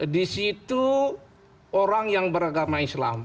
di situ orang yang beragama islam